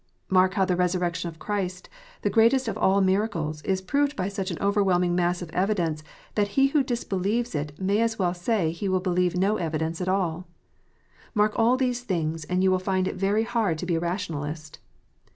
Mark how the resurrection of Christ, the greatest of all miracles, is proved by such an overwhelming mass of evidence, that he who disbelieves it may as well say he will believe 110 evidence at all. Mark all these things, and you will find it very hard to be a Rationalist